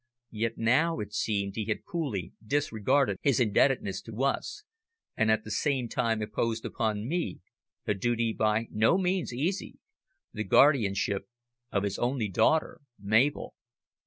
Yet now it seemed he had coolly disregarded his indebtedness to us, and at the same time imposed upon me a duty by no means easy the guardianship of his only daughter Mabel.